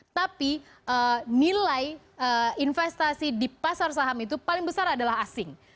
tapi nilai investasi di pasar saham itu paling besar adalah asing